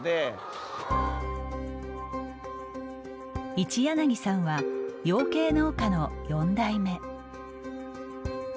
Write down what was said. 一柳さんは養鶏農家の４代目。